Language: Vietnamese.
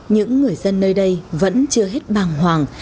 những người dân nơi đây vẫn chưa hết bàng hoàng